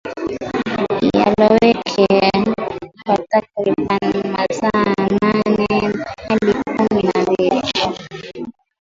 Yaloweke kwa takriban masaa nane hadi kumi na mbili